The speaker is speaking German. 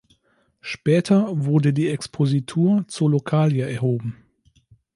Später wurde die Expositur zur Lokalie erhoben.